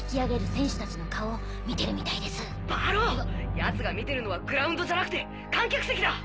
奴が見てるのはグラウンドじゃなくて観客席だ！